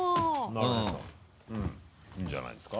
なるへそいいんじゃないですか？